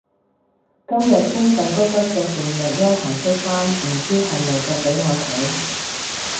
今日官仔骨骨着件略休閒恤衫唔知係咪着畀我睇